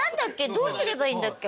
どうすればいいんだっけ？